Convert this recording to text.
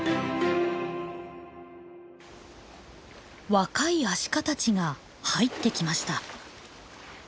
若いアシカたちが入ってきました。